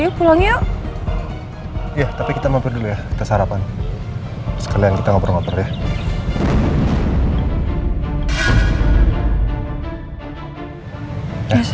hai jadi pulang yuk ya tapi kita mau dulu ya kesarapan sekalian kita ngobrol ngobrol ya